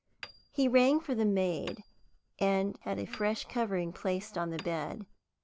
He rang for the maid, and had a fresh covering placed on the bed.